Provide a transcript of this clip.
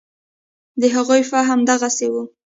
د هغوی فهم دغسې و.